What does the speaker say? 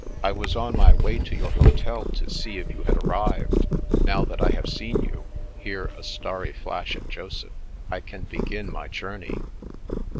I was on my way to your hotel, to see if you had arrived. Now that I have seen you "— ^here a starry flash at Joseph —" I can begin my journey."